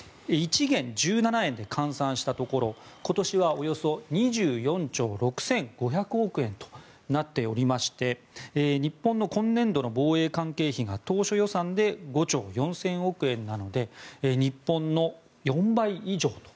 １元＝１７円で換算したところ今年はおよそ２４兆６５００億円となっておりまして日本の今年度の関係費が５兆４０００億円なので日本の４倍以上と。